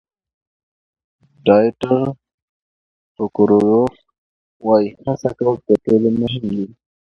ډایټر فوکودروف وایي هڅه کول تر ټولو مهم دي.